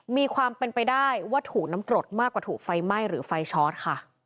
มีความเป็นไปได้ว่าถูกน้ำกรดมากกว่าถูกไฟไหม้หรือไฟชอตค่ะ